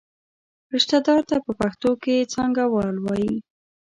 رشته دار ته په پښتو کې څانګوال وایي.